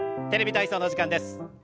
「テレビ体操」の時間です。